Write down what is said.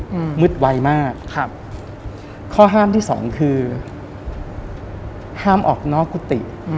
อืมมืดไวมากครับข้อห้ามที่สองคือห้ามออกนอกกุฏิอืม